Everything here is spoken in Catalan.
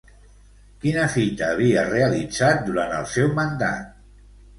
Quina fita havia realitzat durant el seu mandat?